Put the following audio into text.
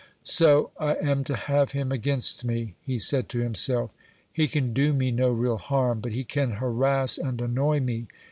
"So I am to have him against me?" he said to himself. "He can do me no real harm; but he can harass and annoy me.